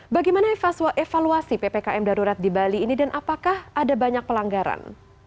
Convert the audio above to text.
bagaimana faswa evaluasi ppkm darurat di bali ini dan apakah ada banyak pelanggaran